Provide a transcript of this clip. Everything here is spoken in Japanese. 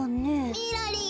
・みろりん！